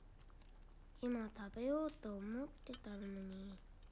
今食べようと思ってたのに。